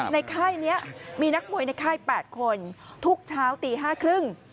ค่ายนี้มีนักมวยในค่าย๘คนทุกเช้าตี๕๓๐